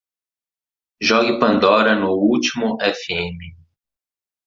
Jogue Pandora no último Fm